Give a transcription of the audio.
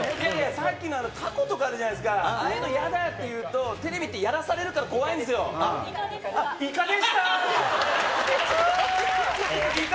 さっきのタコとか、あるじゃないですか、ああいうのやだって言うの、テレビって、やらされるから、イカ、イカ。